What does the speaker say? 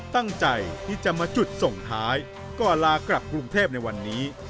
ตั้งใจที่จะมาจุดส่งท้ายก่อนลากลับกรุงเทพในวันนี้